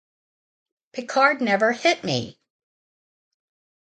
Picard never hit me!